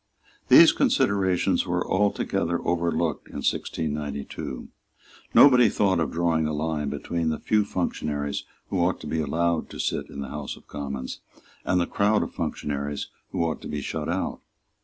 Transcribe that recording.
These considerations were altogether overlooked in 1692. Nobody thought of drawing a line between the few functionaries who ought to be allowed to sit in the House of Commons and the crowd of functionaries who ought to be shut out.